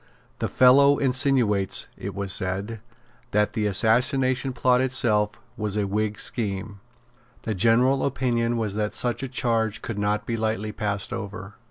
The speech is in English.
"The fellow insinuates," it was said, "that the Assassination Plot itself was a Whig scheme." The general opinion was that such a charge could not be lightly passed over.